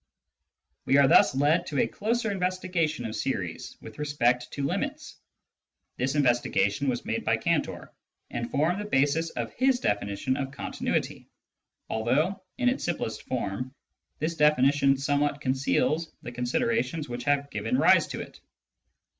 We are thus led to a closer investigation of series with respect to limits. This investigation was made by Cantor and formed the basis of his definition of continuity, although, in its simplest form, this definition somewhat conceals the considerations which have given rise to it.